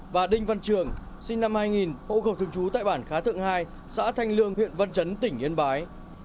và đinh văn trường sinh năm hai nghìn hộ cầu thượng chú tại bản khá thượng hai xã thanh lương huyện văn chấn tỉnh yên bái